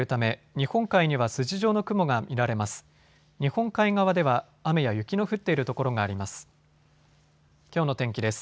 日本海側では雨や雪の降っている所があります。